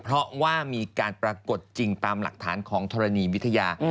เพราะว่ามีการปรากฏจริงตามหลักฐานของธรณีวิทยา